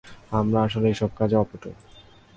আমরা আসলেই এসব কাজে অপটু।